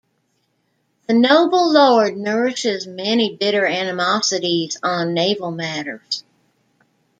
The noble Lord nourishes many bitter animosities on naval matters.